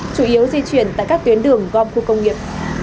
chủ yếu di chuyển tại các tuyến đường gom khu công nghiệp